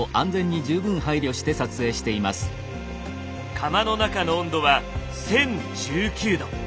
窯の中の温度は１，０１９℃！